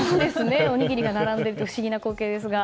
おにぎりが並んでいるのは不思議な光景ですが。